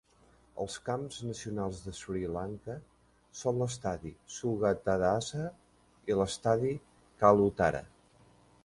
Els camps nacionals de Sri Lanka són l'estadi Sugathadasa i l'estadi Kalutara.